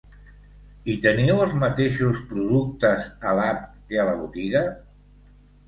I teniu els mateixos productes a l'app que a la botiga?